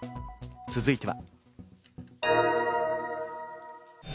続いては。